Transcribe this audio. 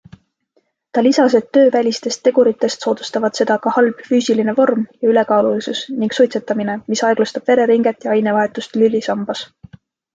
Ta lisas, et töövälistest teguritest soodustavad seda ka halb füüsiline vorm ja ülekaalulisus ning suitsetamine, mis aeglustab vereringet ja ainevahetust lülisambas.